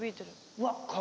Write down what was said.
うわっ鏡？